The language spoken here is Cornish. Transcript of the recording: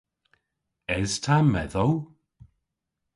Es ta medhow?